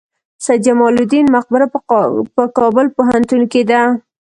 سید جمال الدین مقبره په کابل پوهنتون کې ده؟